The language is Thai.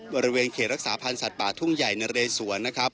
บริเวณเขตรักษาพันธ์สัตว์ป่าทุ่งใหญ่นะเรสวนนะครับ